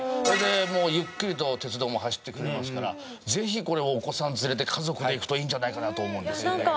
それでゆっくりと鉄道も走ってくれますからぜひこれお子さん連れで家族で行くといいんじゃないかなと思うんですよね。